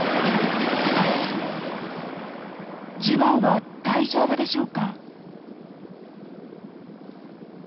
ジュバオは大丈夫でしょうか。